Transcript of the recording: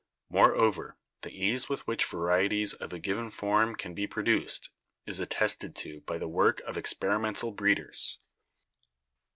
Moreover, the ease with which varieties of a given form can be produced is attested to by the work of ex perimental breeders.